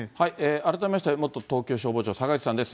改めまして元東京消防庁の坂口さんです。